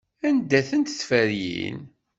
Anda-tent tferyin?